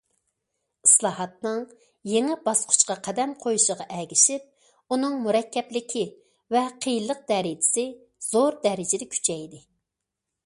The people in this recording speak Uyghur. ئىسلاھاتنىڭ يېڭى باسقۇچقا قەدەم قويۇشىغا ئەگىشىپ، ئۇنىڭ مۇرەككەپلىكى ۋە قىيىنلىق دەرىجىسى زور دەرىجىدە كۈچەيدى.